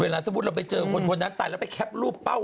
สมมุติเราไปเจอคนคนนั้นตายแล้วไปแคปรูปเป้า